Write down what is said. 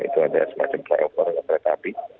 itu ada semacam flyover kereta api